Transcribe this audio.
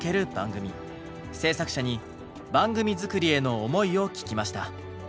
制作者に番組作りへの思いを聞きました。